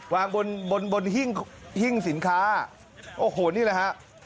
วางบนบนหิ้งสินค้าโอ้โหนี่แหละฮะ